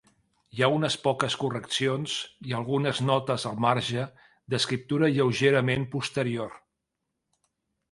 Hi ha unes poques correccions i algunes notes al marge, d’escriptura lleugerament posterior.